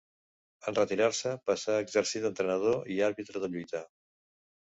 En retirar-se passà a exercir d'entrenador i àrbitre de lluita.